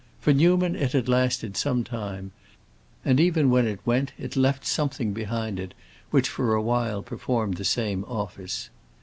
For Newman it had lasted some time, and even when it went it left something behind it which for a while performed the same office.